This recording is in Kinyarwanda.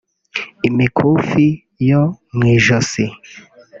imikufi yo mu ijosi